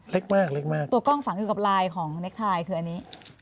เล็กมากเล็กมากตัวกล้องฝังอยู่กับลายของเน็กไทยคืออันนี้